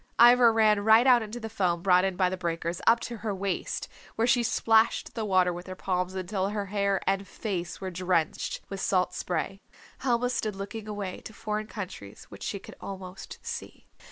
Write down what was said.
Ivra ran right out into the foam brought in by the breakers, up to her waist, where she splashed the water with her palms until her hair and face were drenched with salt spray. Helma stood looking away to foreign countries which she could almost see.